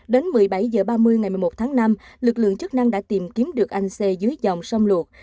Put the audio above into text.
đến một mươi bảy h ba mươi ngày một mươi một tháng năm lực lượng chức năng đã tìm kiếm được anh xe dưới dòng sông luộc